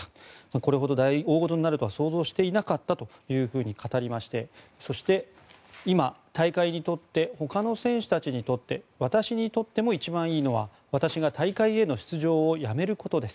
これほど大ごとになるとは想像していなかったと語りましてそして今、大会にとってほかの選手たちにとって私にとっても一番いいのは私が大会への出場をやめることです。